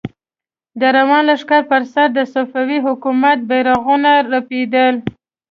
د روان لښکر پر سر د صفوي حکومت بيرغونه رپېدل.